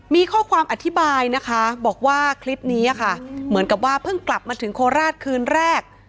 มีข้อความอธิบายนะคะบอกว่าคลิปนี้ค่ะเหมือนกับว่าเพิ่งกลับมาถึงโคราชคืนแรก